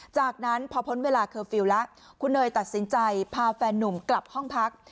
จากนั้นพอพ้นเวลาเคอร์ฟิลล์แล้วคุณเนยตัดสินใจพาแฟนนุ่มกลับห้องพัก